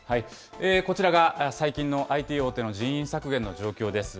こちらが、最近のＩＴ大手の人員削減の状況です。